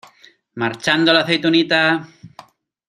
marchando la aceitunita.